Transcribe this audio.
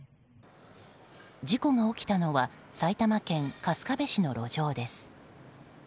事故が起きたのは埼玉県春日部市の路上です。